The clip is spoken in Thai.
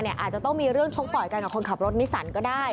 อาจจะต้องมีเรื่องชกต่อยกันกับคนขับรถนิสันก็ได้